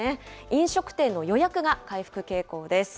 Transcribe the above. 飲食店の予約が回復傾向です。